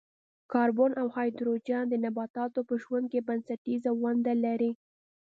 کاربن او هایدروجن د نباتاتو په ژوند کې بنسټیزه ونډه لري.